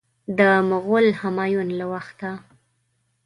د مغول همایون له وخته.